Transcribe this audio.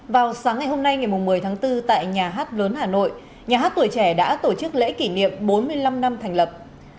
vào sáng ngày hôm nay ngày một mươi tháng bốn tại nhà hát lớn hà nội nhà hát tuổi trẻ đã tổ chức lễ kỷ niệm bốn mươi năm năm thành lập